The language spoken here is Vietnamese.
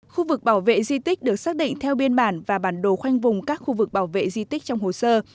khu vực bảo vệ di tích được xác định theo biên bản và bản đồ khoanh vùng các khu vực bảo vệ di tích trong hồ sơ